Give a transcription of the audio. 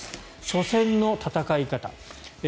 初戦の戦い方